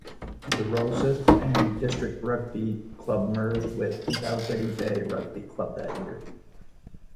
The Rosyth and District rugby club merged with Dalgety Bay rugby club that year.